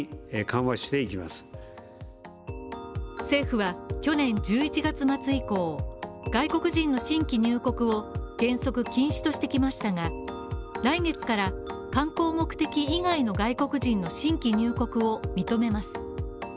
政府は去年１１月末以降外国人の新規入国を原則禁止としてきましたが来月から観光目的以外の外国人の新規入国を認めます。